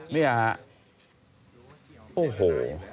นี่โอ้โห